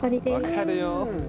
分かるよ。